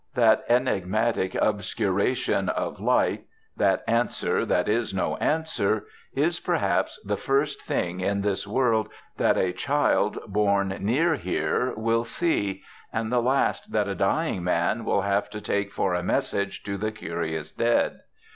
That enigmatic obscuration of light, that answer that is no answer, is, perhaps, the first thing in this world that a child born near here will see, and the last that a dying man will have to take for a message to the curious dead.